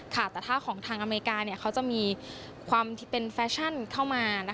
แต่ถ้าของทางอเมริกาเขาจะมีความที่เป็นแฟชั่นเข้ามา